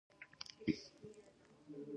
مقلوبه تشبیه د غـير عادي تشبیه یو ډول دئ.